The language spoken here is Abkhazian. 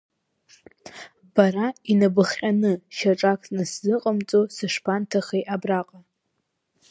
Бара инабыхҟьаны шьаҿак насзыҟамҵо сышԥанҭахеи абраҟа?